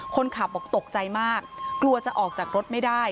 คนขับบอกตกใจมากกลัวจะออกจากรถไม่ได้